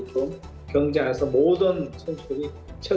dan mereka akan lebih baik